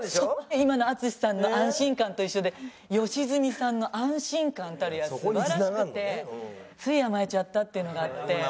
今の淳さんの安心感と一緒で吉住さんの安心感たるや素晴らしくてつい甘えちゃったっていうのがあって。